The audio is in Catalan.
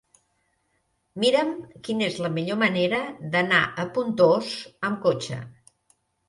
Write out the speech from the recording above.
Mira'm quina és la millor manera d'anar a Pontós amb cotxe.